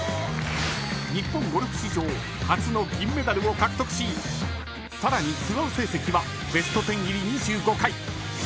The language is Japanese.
［日本ゴルフ史上初の銀メダルを獲得しさらにツアー成績は］